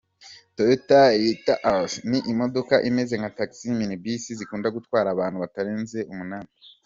Toyota LiteAce, ni imodoka imeze nka Taxi Minibus zikunda gutwara abantu batarenze umunani.